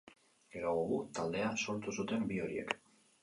Geroago Guk taldea sortu zuten bi horiek.